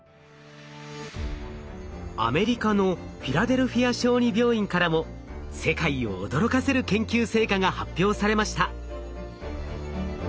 アメリカのフィラデルフィア小児病院からも世界を驚かせる研究成果が発表されました。